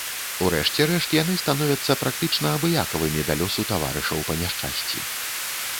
У рэшце рэшт яны становяцца практычна абыякавымі да лёсу таварышаў па няшчасці.